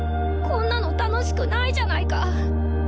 こんなの楽しくないじゃないか